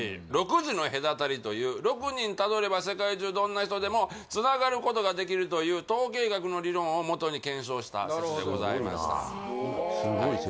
はいという６人たどれば世界中どんな人でもつながることができるという統計学の理論をもとに検証した説でございましたすごいなあすごい説